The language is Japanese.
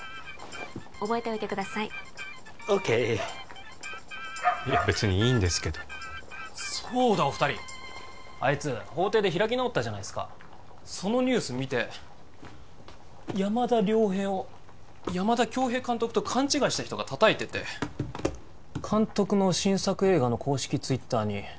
覚えておいてくださいオッケー別にいいんですけどそうだお二人あいつ法廷で開き直ったじゃないすかそのニュース見て山田遼平を山田恭兵監督と勘違いした人が叩いてて監督の新作映画の公式ツイッターに